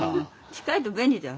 近いと便利じゃん。